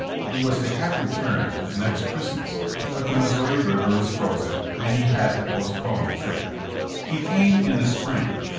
He was to have returned the next Christmas, but the Missouri river was frozen and he had to postpone the trip. He came in the spring.